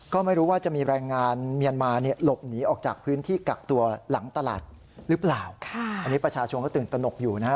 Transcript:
ก็ไม่รู้ว่าจะมีแรงงานเมียนมาเนี่ยหลบหนีออกจากพื้นที่กักตัวหลังตลาดหรือเปล่าค่ะอันนี้ประชาชนก็ตื่นตนกอยู่นะฮะ